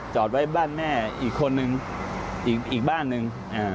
จอดไว้บ้านแม่อีกคนนึงอีกบ้านหนึ่ง